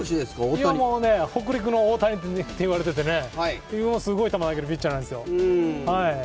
北陸の大谷と言われててすごい球を投げるピッチャーなんですよ。